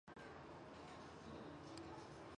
徐文铨之子。